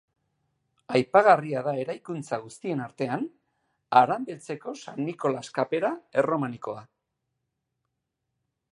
Aipagarria da eraikuntza guztien artean, Haranbeltzeko San Nikolas kapera erromanikoa.